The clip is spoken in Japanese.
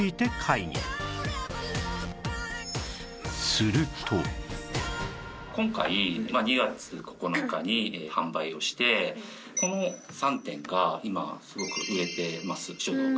この日は今回２月９日に販売をしてこの３点が今すごく売れています初動から。